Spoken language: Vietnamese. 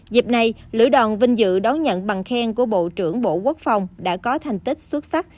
dịp này lữ đoàn vinh dự đón nhận bằng khen của bộ trưởng bộ quốc phòng đã có thành tích xuất sắc